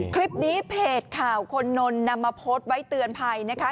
คลิปนี้เพจข่าวคนนนนำมาโพสต์ไว้เตือนภัยนะคะ